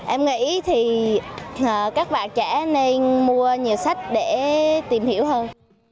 em nghĩ thì các bạn trẻ nên mua nhiều sách để tìm hiểu hơn